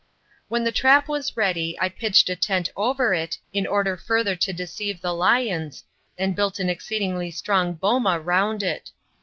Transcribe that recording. When the trap was ready I pitched a tent over it in order further to deceive the lions, and built an exceedingly strong boma round it.